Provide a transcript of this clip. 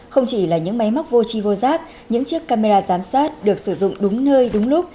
không chỉ là những máy móc vô chio giác những chiếc camera giám sát được sử dụng đúng nơi đúng lúc